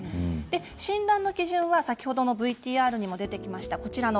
診断の基準はＶＴＲにも出てきました。